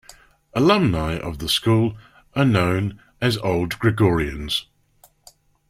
Alumni of the school are known as Old Gregorians.